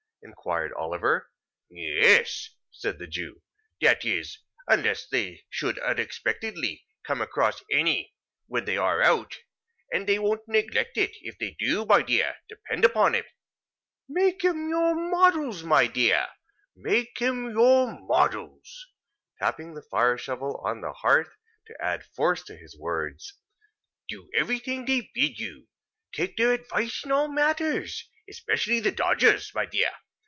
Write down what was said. inquired Oliver. "Yes," said the Jew; "that is, unless they should unexpectedly come across any, when they are out; and they won't neglect it, if they do, my dear, depend upon it. Make 'em your models, my dear. Make 'em your models," tapping the fire shovel on the hearth to add force to his words; "do everything they bid you, and take their advice in all matters—especially the Dodger's, my dear.